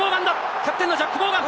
キャプテンのジャック・モーガン！